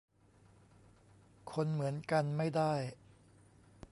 คนเหมือนกัน ไม่ได้